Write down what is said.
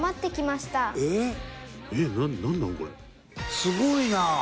「すごいな！」